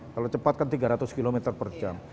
kalau cepat kan tiga ratus km per jam